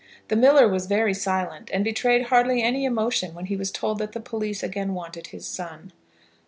The miller was very silent, and betrayed hardly any emotion when he was told that the police again wanted his son.